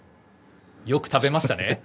よく食べましたね。